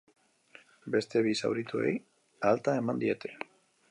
Beste bi zaurituei alta eman diete.